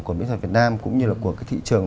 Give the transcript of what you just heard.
của mỹ thuật việt nam cũng như là của cái thị trường